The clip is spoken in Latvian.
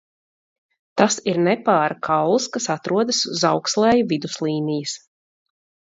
Tas ir nepāra kauls, kas atrodas uz auklsēju viduslīnijas.